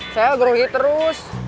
saya geruhi terus